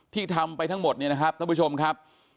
ทำไปทั้งหมดเนี่ยนะครับท่านผู้ชมครับ